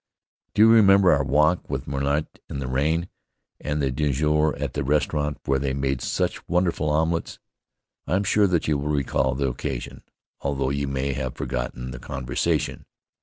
Do you remember our walk with Ménault in the rain, and the déjeuner at the restaurant where they made such wonderful omelettes? I am sure that you will recall the occasion, although you may have forgotten the conversation.